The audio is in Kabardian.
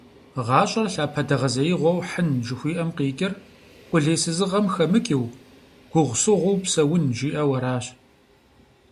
«ГъащӀэр лъапэдэгъэзеигъуэу хьын» жыхуиӏэм къикӏыр къулейсызыгъэм хэмыкӀыу, гугъусыгъуу псэун, жиӏэу аращ.